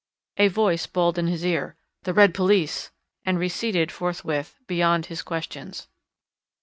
A voice bawled in his ear, "The red police," and receded forthwith beyond his questions.